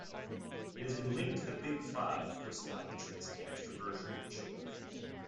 It has been linked to the Big Five personality traits of extraversion in children.